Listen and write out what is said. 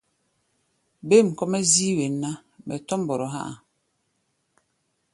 Bêm kɔ́-mɛ́ zíí wen ná, mɛ tɔ̧́ mbɔrɔ há̧ a̧.